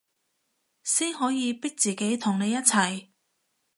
先可以逼自己同你一齊